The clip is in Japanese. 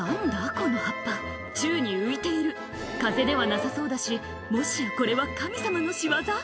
この葉っぱ宙に浮いている風ではなさそうだしもしやこれは神様の仕業？